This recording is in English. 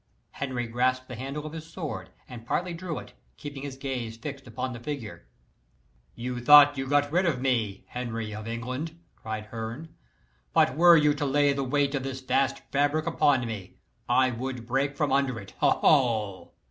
Henry grasped the handle of his sword, and partly drew it, keeping his gaze fixed upon the figure. "You thought you had got rid of me, Harry of England," cried Herne, "but were you to lay the weight of this vast fabric upon me, I would break from under it ho! ho!"